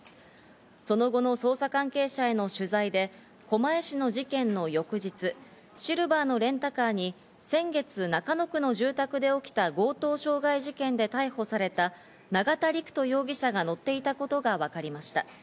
その後の捜査関係者への取材で狛江市の事件の翌日、シルバーのレンタカーに先月、中野区の住宅で起きた、強盗傷害事件で逮捕された永田陸人容疑者が乗っていたことがわかりました。